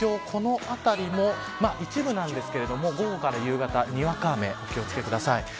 この辺りも一部なんですが午後から夕方、にわか雨お気を付けください。